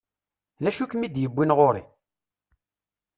D acu i kem-id-yewwin ɣur-i?